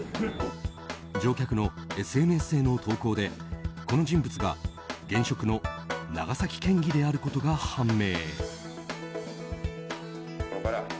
乗客のＳＮＳへの投稿でこの人物が現職の長崎県議であることが判明。